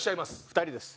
２人です。